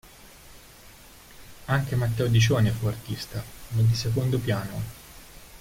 Anche Matteo di Cione fu artista, ma di secondo piano.